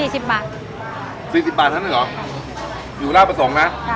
สี่สิบบาทสี่สิบบาททั้งหนึ่งเหรออยู่ล่าประสงค์นะค่ะ